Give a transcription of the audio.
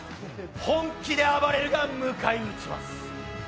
本気であばれるが迎え撃ちます。